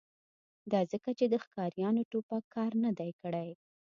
دا ځکه چې د ښکاریانو ټوپک کار نه دی کړی